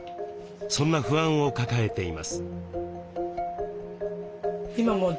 そんな不安を抱えています。